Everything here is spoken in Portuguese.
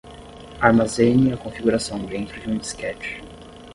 Armazene a configuração dentro de um disquete.